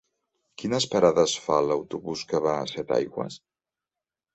Quines parades fa l'autobús que va a Setaigües?